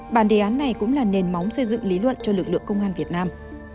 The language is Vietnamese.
bản đề án này cũng là nền móng xây dựng lý luận cho lực lượng công an việt nam